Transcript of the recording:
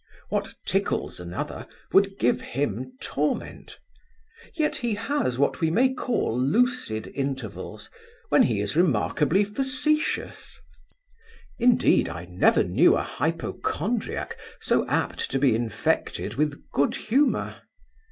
What tickles another would give him torment; and yet he has what we may call lucid intervals, when he is remarkably facetious Indeed, I never knew a hypochondriac so apt to be infected with good humour.